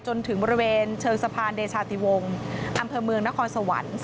จนถึงบริเวณเชิงสะพานเดชาติวงศ์อำเภอเมืองนครสวรรค์